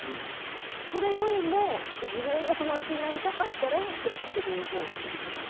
それよりも自分が友達になりたかったら積極的にいこうという。